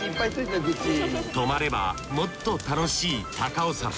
泊まればもっと楽しい高尾山。